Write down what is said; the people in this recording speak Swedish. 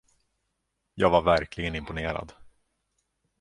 Jag var verkligen imponerad.